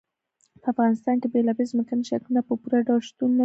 په افغانستان کې بېلابېل ځمکني شکلونه په پوره ډول شتون لري.